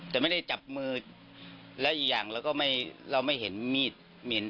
แต่ไม่ได้จับมือแล้วอีกอย่างเราก็ไม่เราไม่เห็นมีดเหม็น